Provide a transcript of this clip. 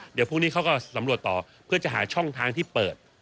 เดี๋ยวพรุ่งนี้เขาก็สำรวจต่อเพื่อจะหาช่องทางที่เปิด